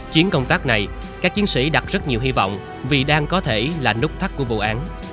chuyến công tác này các chiến sĩ đặt rất nhiều hy vọng vì đang có thể là nút thắt của vụ án